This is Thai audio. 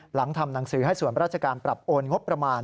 หลังทำหนังสือให้ส่วนราชการปรับโอนงบประมาณ